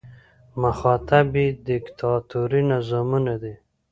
مخاطب یې دیکتاتوري نظامونه دي.